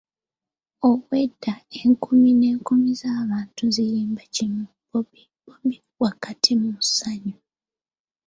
Obwedda enkumi n'enkumi z'abantu ziyimba kimu “Bobi Bobi” wakati mu ssanyu.